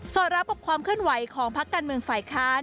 อดรับกับความเคลื่อนไหวของพักการเมืองฝ่ายค้าน